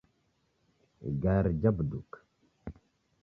Igari jabuduka